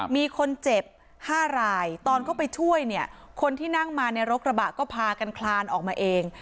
มีคนเจ็บ๕รายตอนเข้าไปช่วยเนี่ยคนที่นั่งมาในรถกระบะก็พากันคลานออกมาเอง